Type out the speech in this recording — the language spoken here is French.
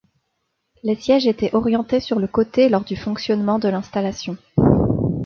Les sièges étaient orientés sur le côté lors du fonctionnement de l'installation.